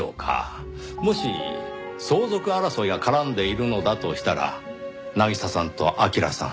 もし相続争いが絡んでいるのだとしたら渚さんと明良さん